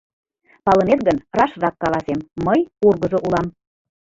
— Палынет гын, рашрак каласем, мый ургызо улам.